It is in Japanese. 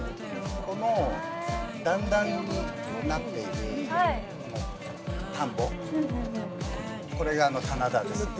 この段々になっている田んぼ、これが棚田ですね。